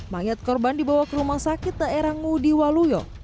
mayat korban dibawa ke rumah sakit daerah ngudi waluyo